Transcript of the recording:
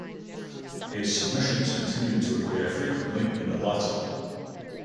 His submissions continue to appear frequently in the latter.